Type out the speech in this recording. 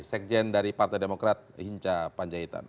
sekjen dari partai demokrat hinca panjaitan